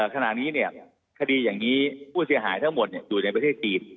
ขณะนี้คดีอย่างนี้ผู้เสียหายทั้งหมดอยู่ในประเทศจีน